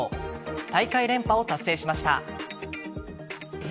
大会連覇を達成しました。